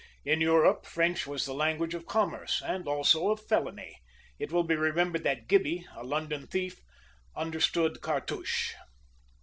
In Europe, French was the language of commerce, and also of felony. It will be remembered that Gibby, a London thief, understood Cartouche.